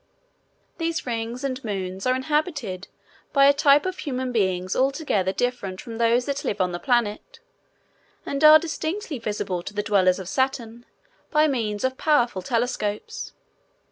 These rings and moons are inhabited by a type of human beings altogether different from those that live on the planet, and are distinctly visible to the dwellers of Saturn by means of powerful telescopes.